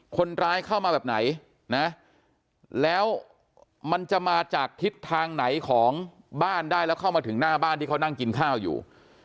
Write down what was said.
คนร้ายเข้ามาแบบไหนนะแล้วมันจะมาจากทิศทางไหนของบ้านได้แล้วเข้ามาถึงหน้าบ้านที่เขานั่งกินข้าวอยู่